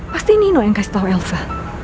pasti nino yang kasih tahu elsa